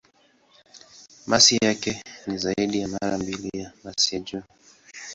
Masi yake ni zaidi ya mara mbili ya masi ya Jua.